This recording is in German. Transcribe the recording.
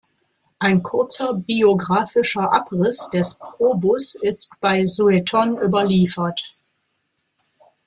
Ein kurzer biographischer Abriss des Probus ist bei Sueton überliefert.